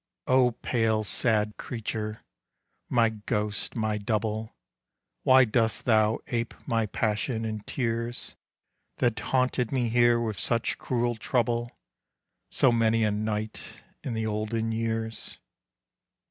Oh, pale sad creature! my ghost, my double, Why dost thou ape my passion and tears, That haunted me here with such cruel trouble, So many a night in the olden years?